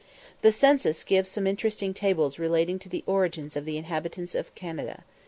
The census gives some interesting tables relating to the origins of the inhabitants of Canada.